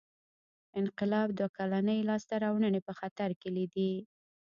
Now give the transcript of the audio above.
انقلاب دوه کلنۍ لاسته راوړنې په خطر کې لیدې.